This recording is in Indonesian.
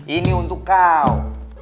ini untuk kau